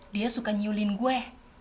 dia suka nyulin gue